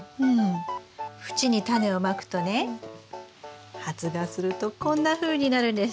縁にタネをまくとね発芽するとこんなふうになるんです。